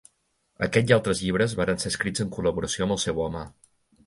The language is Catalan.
Aquest i altres llibres varen ser escrits en col·laboració amb el seu home.